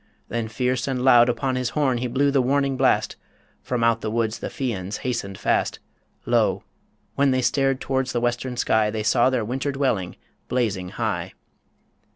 Then fierce and loud Upon his horn he blew the warning blast From out the woods the Fians hastened fast Lo! when they stared towards the western sky, They saw their winter dwelling blazing high.